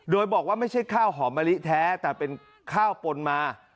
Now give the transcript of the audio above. โดยบอกว่าไม่ใช่ข้าวหอมมะลิแท้แต่เป็นข้าวปนมา